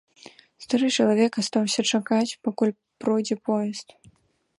Стары чалавек астаўся чакаць, пакуль пройдзе поезд.